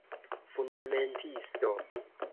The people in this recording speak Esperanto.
Fundamentisto.